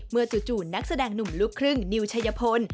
จู่นักแสดงหนุ่มลูกครึ่งนิวชัยพล